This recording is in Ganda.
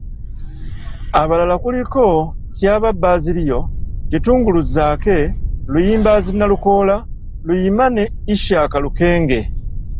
Abalala kuliko Tyaba Bazilio, Kitungulu Zaake, Luyimbazi Nalukoola, Naluyima ne Ishak Lukenge.